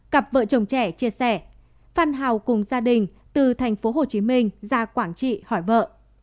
cặp vợ chồng trẻ chia sẻ phan hào cùng gia đình từ thành phố hồ chí minh ra quảng trị hỏi vợ